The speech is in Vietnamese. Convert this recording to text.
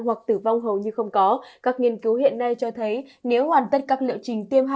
hoặc tử vong hầu như không có các nghiên cứu hiện nay cho thấy nếu hoàn tất các liệu trình tiêm